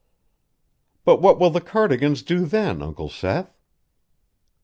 "But what will the Cardigans do then, Uncle Seth?"